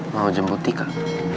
mau jam butik ah